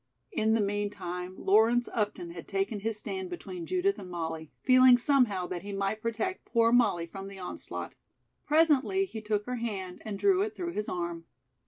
In the meantime, Lawrence Upton had taken his stand between Judith and Molly, feeling somehow that he might protect poor Molly from the onslaught. Presently he took her hand and drew it through his arm.